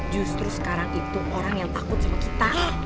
justru sekarang itu orang yang takut sama kita